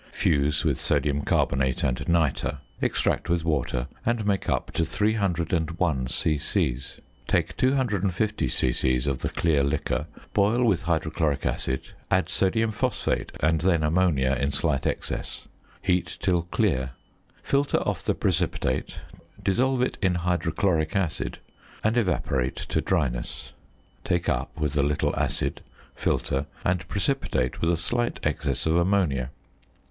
Fuse with sodium carbonate and nitre, extract with water, and make up to 301 c.c. Take 250 c.c. of the clear liquor, boil with hydrochloric acid, add sodium phosphate, and then ammonia in slight excess. Heat till clear. Filter off the precipitate, dissolve it in hydrochloric acid, and evaporate to dryness. Take up with a little acid, filter, and precipitate with a slight excess of ammonia.